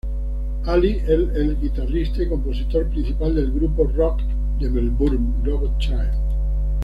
Aly es el guitarrista y compositor principal del grupo rock de Melbourne, Robot Child.